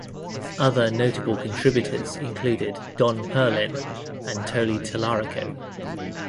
Other notable contributors included Don Perlin and Tony Tallarico.